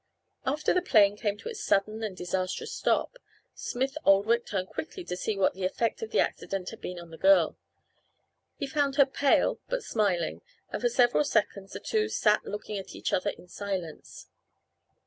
After the plane came to its sudden and disastrous stop, Smith Oldwick turned quickly to see what the effect of the accident had been on the girl. He found her pale but smiling, and for several seconds the two sat looking at each other in silence.